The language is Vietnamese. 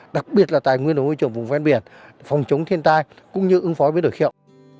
đặc biệt là tài nguyên đồng môi trường vùng ven biển phòng chống thiên tai cũng như ứng phó với đổi khiệu